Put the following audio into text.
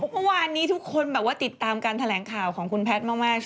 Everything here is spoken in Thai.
เมื่อวานนี้ทุกคนแบบว่าติดตามการแถลงข่าวของคุณแพทย์มากช่วงนี้เองเนอะ